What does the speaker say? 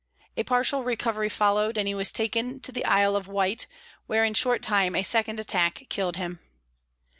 A partial recovery followed, and he was taken to the Isle of Wight, where, in a short time, a second attack killed him.